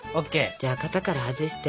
じゃあ型から外して。